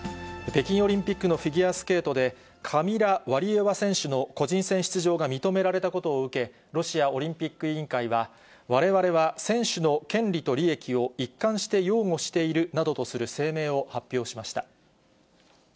北京オリンピックのフィギュアスケートで、カミラ・ワリエワ選手の個人戦出場が認められたことを受け、ロシアオリンピック委員会は、われわれは選手の権利と利益を一貫して擁護しているなどとする声明を発表しました。